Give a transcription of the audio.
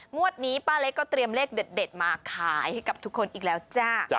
งวดนี้ป้าเล็กก็เตรียมเลขเด็ดมาขายให้กับทุกคนอีกแล้วจ้า